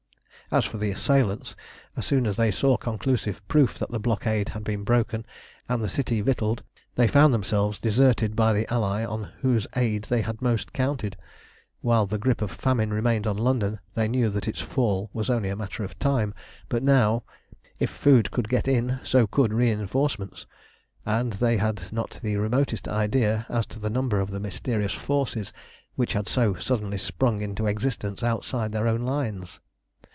As for the assailants, as soon as they saw conclusive proof that the blockade had been broken and the city victualled, they found themselves deserted by the ally on whose aid they had most counted. While the grip of famine remained on London they knew that its fall was only a matter of time; but now if food could get in so could reinforcements, and they had not the remotest idea as to the number of the mysterious forces which had so suddenly sprung into existence outside their own lines.